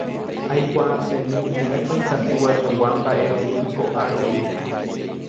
Aikuaasemi moõpa ikatu ajogua mba'erovy ko'árupi.